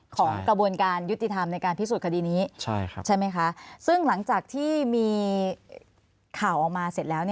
ของกระบวนการยุติธรรมในการพิสูจน์คดีนี้ใช่ไหมคะซึ่งหลังจากที่มีข่าวออกมาเสร็จแล้ว